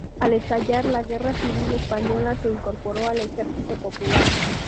Al estallar la guerra civil española, se incorporó al ejercito popular.